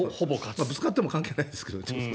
ぶつかっても関係ないですが。